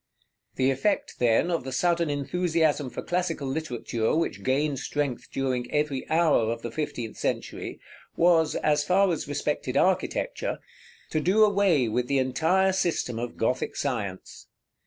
§ XVIII. The effect, then, of the sudden enthusiasm for classical literature, which gained strength during every hour of the fifteenth century, was, as far as respected architecture, to do away with the entire system of Gothic science.